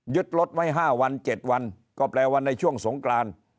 ยึดรถไว้ห้าวันเจ็ดวันก็แปลวันในช่วงสงกราน